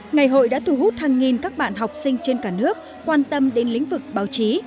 ngày hội đã thu hút hàng nghìn các bạn học sinh trên cả nước quan tâm đến lĩnh vực báo chí